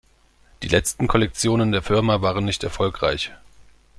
Die letzten Kollektionen der Firma waren nicht erfolgreich.